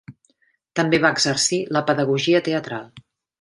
També va exercir la pedagogia teatral.